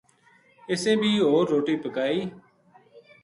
اِسیں بھی ہور روٹی پکائی